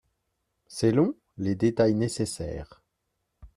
C'est long ? Les détails nécessaires.